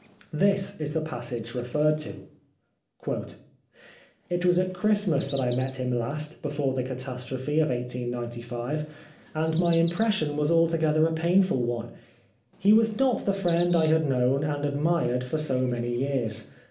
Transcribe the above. This is the passage referred to :—" It was at Christmas that I met him last, before the catastrophe of 1895, and my impression was altogether a pain ful one. He was not the friend I had known and admired for so many years.